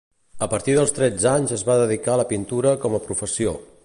A partir dels tretze anys es va dedicar a la pintura com a professió.